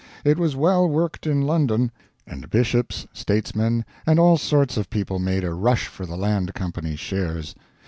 It was well worked in London; and bishops, statesmen, and all sorts of people made a rush for the land company's shares.